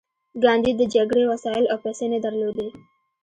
ګاندي د جګړې وسایل او پیسې نه درلودې